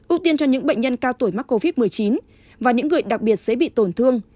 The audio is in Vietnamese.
ưu tiên cho những bệnh nhân cao tuổi mắc covid một mươi chín và những người đặc biệt dễ bị tổn thương